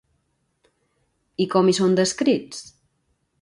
I com hi són descrits?